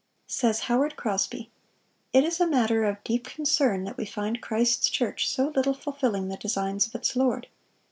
Says Howard Crosby: "It is a matter of deep concern that we find Christ's church so little fulfilling the designs of its Lord.